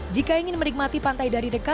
jika ingin menikmati pantai dari raya tengah